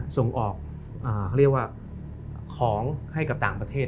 ส่งออกของให้กับต่างประเทศ